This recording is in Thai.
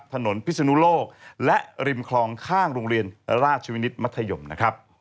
พิศนุโลกและริมคลองข้างโรงเรียนราชวินิตมัธยมนะครับ